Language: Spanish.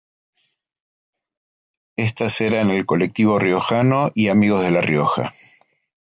Estas eran el "Colectivo Riojano" y "Amigos de La Rioja.